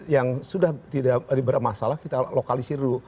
yang sudah tidak ada masalah kita lokalisir dulu